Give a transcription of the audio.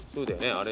あれ。